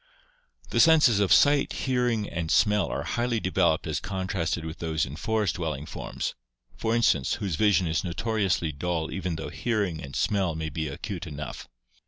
The senses of sight, hearing, and smell are highly developed as contrasted with those in forest dwelling forms, for instance, whose vision is notoriously dull even though hearing and smell may be acute enough.